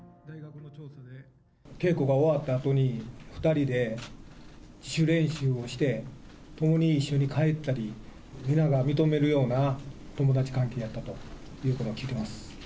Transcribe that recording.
稽古が終わったあとに２人で自主練習をして、共に一緒に帰ったり、皆が認めるような友達関係やったというふうに聞いています。